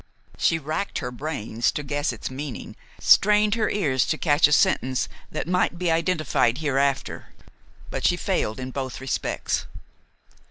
She racked her brains to guess its meaning, strained her ears to catch a sentence that might be identified hereafter; but she failed in both respects.